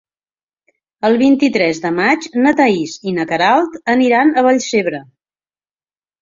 El vint-i-tres de maig na Thaís i na Queralt aniran a Vallcebre.